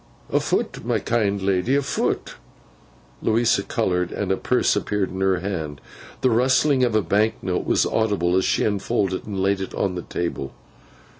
'Afoot, my kind ledy, afoot.' Louisa coloured, and a purse appeared in her hand. The rustling of a bank note was audible, as she unfolded one and laid it on the table.